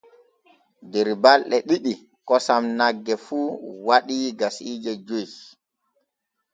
Der balɗe ɗiɗi kosam nagge fu waɗii kasiije joy.